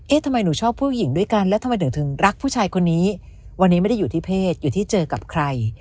ทำไมหนูชอบผู้หญิงด้วยกันแล้วทำไมถึงรักผู้ชายคนนี้วันนี้ไม่ได้อยู่ที่เพศอยู่ที่เจอกับใคร